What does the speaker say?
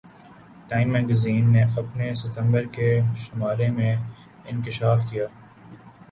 time magazine نے اپنے ستمبر کے شمارے میں انکشاف کیا